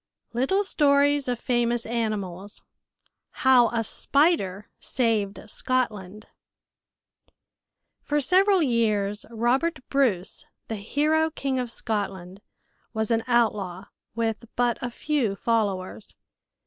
LITTLE STORIES OF FAMOUS ANIMALS How A Spider Saved Scotland For several years, Robert Bruce, the hero King of Scotland, was an outlaw with but a few followers.